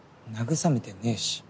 慰めてねぇし。